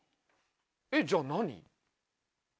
えっじゃあ何？